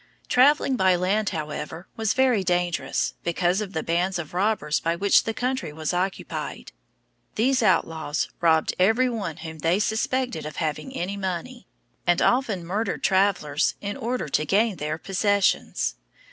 Traveling by land, however, was very dangerous, because of the bands of robbers by which the country was occupied. These outlaws robbed every one whom they suspected of having any money, and often murdered travelers in order to gain their possessions.